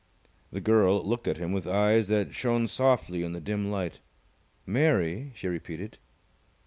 The girl looked at him with eyes that shone softly in the dim light. "Mary?" she repeated.